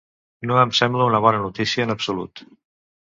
No em sembla una bona notícia en absolut.